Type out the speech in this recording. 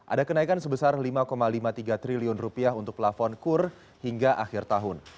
ada kenaikan sebesar rp lima lima puluh tiga triliun rupiah untuk plafon kur hingga akhir tahun